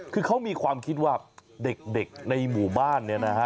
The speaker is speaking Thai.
คือเขามีความคิดว่าเด็กในหมู่บ้านเนี่ยนะฮะ